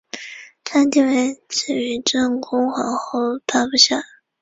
她的地位次于正宫皇后八不沙。